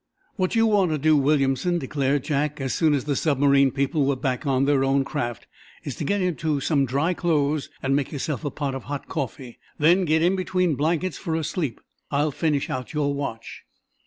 "What you want to do, Williamson," declared Jack, as soon as the submarine people were back on their own craft, "is to get into some dry clothes and make yourself a pot of hot coffee. Then get in between blankets for a sleep. I'll finish out your watch."